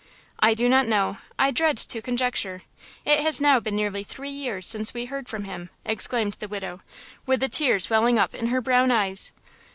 "I do not know; I dread to conjecture. It has now been nearly three years since we heard from him," exclaimed the widow, with the tears welling up in her brown eyes.